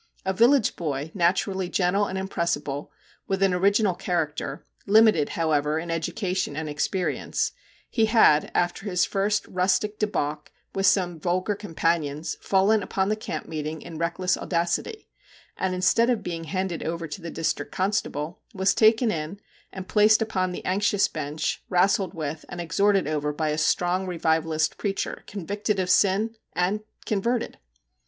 A village boy, naturally gentle and impressible, with an original char acter limited, however, in education and experience, he had, after his \ first rustic debauch with some vulgar companions, fallen upon the camp meeting in reckless audacity ; and instead of being handed over to the district constable, was taken in and placed upon 'the anxious bench,' ' rastled with/ and exhorted by a strong revivalist preacher, ' con victed of sin/ and converted